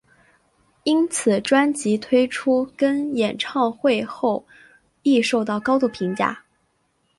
因此专辑推出跟演唱会后亦受到高度评价。